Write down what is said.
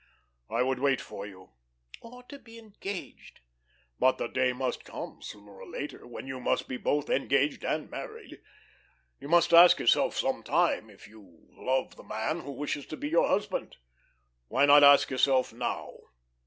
"I would wait for you." "Or to be engaged." "But the day must come, sooner or later, when you must be both engaged and married. You must ask yourself some time if you love the man who wishes to be your husband. Why not ask yourself now?"